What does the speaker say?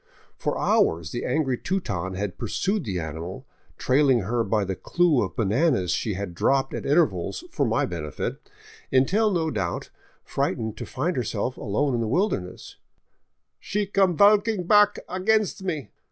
For hours the angry Teuton had pursued the animal, trailing her by the clue of bananas she had dropped at intervals for my benefit, until, no doubt frightened to find herself alone in the wilderness, " she come valking pack against me.